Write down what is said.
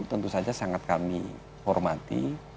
tentu saja sangat kami hormati